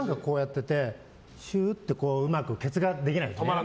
しゅってうまくケツができない。